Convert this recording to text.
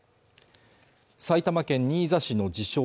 埼玉県新座市の自称